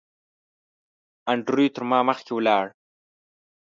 انډریو تر ما مخکې ولاړ.